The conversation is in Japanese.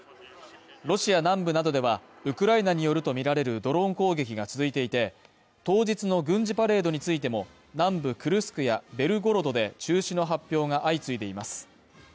ロシア南部などでは、ウクライナによると見られるドローン攻撃が続いていて、当日の軍事パレードについても南部クルスクやベルゴロドで中止の発表が相次いでいます。